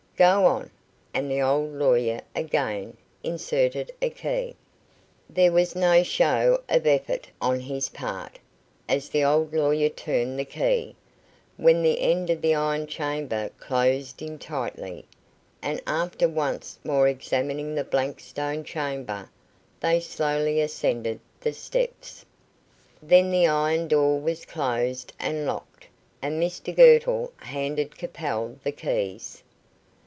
"Go on;" and the old lawyer again inserted a key. There was no show of effort on his part, as the old lawyer turned the key, when the end of the iron chamber closed in tightly, and after once more examining the blank stone chamber, they slowly ascended the steps. Then the iron door was closed and locked, and Mr Girtle handed Capel the keys.